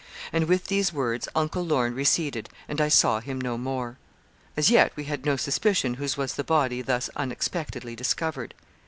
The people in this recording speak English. And with these words Uncle Lorne receded, and I saw him no more. As yet we had no suspicion whose was the body thus unexpectedly discovered.